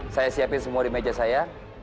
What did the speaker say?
saya siapin semua di meja saya